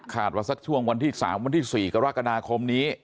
ว่าสักช่วงวันที่๓วันที่๔กรกฎาคมนี้